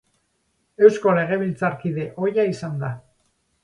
Eusko Legebiltzarkide ohia izan da.